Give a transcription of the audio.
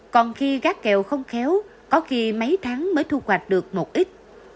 còn khi gác kèo không khéo có khi mấy tháng mới thu hoạch được một ít